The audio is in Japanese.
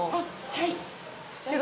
はい。